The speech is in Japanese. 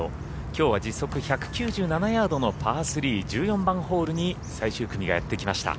きょうは実測１９７ヤードのパー３、１４番ホールに最終組がやってきました。